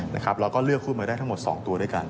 นะครับเราก็เลือกหุ้นมาให้ทั้งหมด๒ตัวด้วยกัน